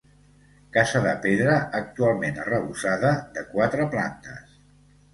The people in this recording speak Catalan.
Casa de pedra actualment arrebossada, de quatre plantes.